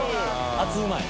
熱うまい。